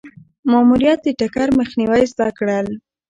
ماموریت د ټکر مخنیوی زده کړل.